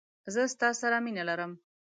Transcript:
زه ستا سره مينه لرم.